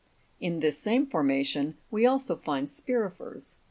In this same formation we also find Spi'rifers (fig.